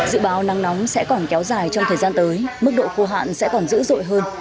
dự báo nắng nóng sẽ còn kéo dài trong thời gian tới mức độ khô hạn sẽ còn dữ dội hơn